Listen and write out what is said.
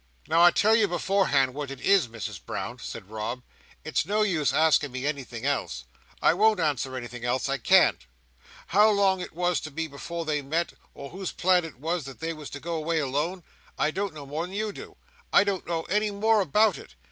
"Now I tell you beforehand what it is, Misses Brown," said Rob, "it's no use asking me anything else. I won't answer anything else; I can't. How long it was to be before they met, or whose plan it was that they was to go away alone, I don't know no more than you do. I don't know any more about it.